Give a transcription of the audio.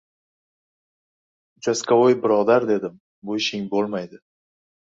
— Uchastkovoy birodar, — dedim, — bu ishing bo‘lmaydi!